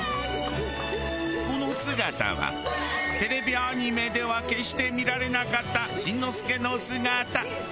この姿はテレビアニメでは決して見られなかったしんのすけの姿。